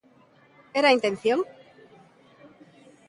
Era a intención?